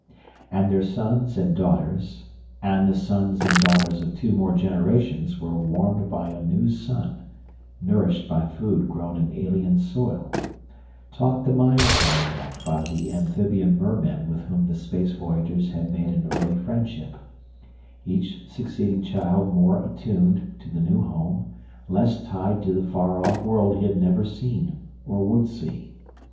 And their sons and daughters, and the sons and daughters of two more generations were warmed by a new sun, nourished by food grown in alien soil, taught the mind contact by the amphibian mermen with whom the space voyagers had made an early friendship each succeeding child more attuned to the new home, less tied to the far off world he had never seen or would see.